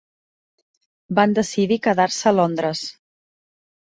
Va decidir quedar-se a Londres.